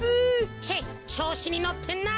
チェッちょうしにのってんなあ。